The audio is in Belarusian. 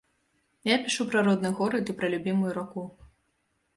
Я пішу пра родны горад і пра любімую раку.